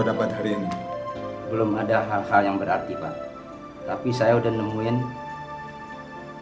tapi yang tadi itu loh